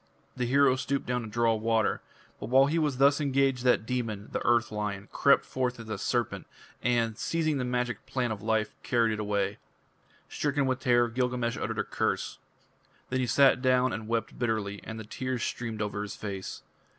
The hero stooped down to draw water. But while he was thus engaged that demon, the Earth Lion, crept forth as a serpent, and, seizing the magic plant of life, carried it away. Stricken with terror, Gilgamesh uttered a curse. Then he sat down and wept bitterly, and the tears streamed over his face.